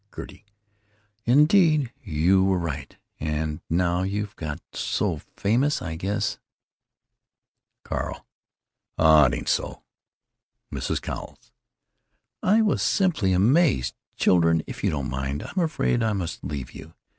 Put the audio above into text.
Gertie: "Indeed you were right, and now you've got so famous I guess——" Carl: "Oh, I ain't so——" Mrs. Cowles: "I was simply amazed.... Children, if you don't mind, I'm afraid I must leave you.